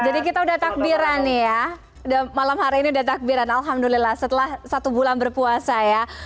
jadi kita sudah takbiran ya malam hari ini sudah takbiran alhamdulillah setelah satu bulan berpuasa ya